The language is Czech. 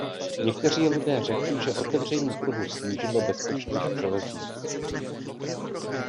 Někteří lidé řekli, že otevření trhu snížilo bezpečnost železnic.